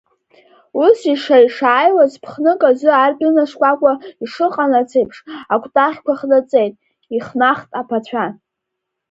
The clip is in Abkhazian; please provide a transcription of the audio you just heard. Ус ишааи-шааиуаз ԥхнык азы ардәына шкәакәа ишыҟанаҵац еиԥш акәтаӷьқәа хнаҵеит, ихнахт аԥацәа.